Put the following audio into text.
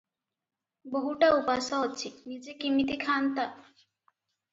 ବୋହୂଟା ଉପାସ ଅଛି, ନିଜେ କିମିତି ଖାନ୍ତା?